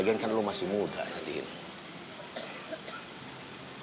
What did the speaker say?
agaknya lo masih muda nadine